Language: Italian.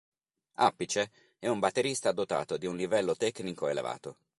Appice è un batterista dotato di un livello tecnico elevato.